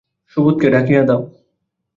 সুধোকে ডাকিয়া দাও।